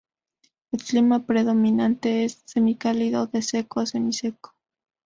El clima predominante es semicálido de seco a semiseco.